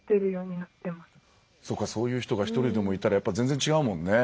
そうかそういう人が一人でもいたらやっぱ全然違うもんね。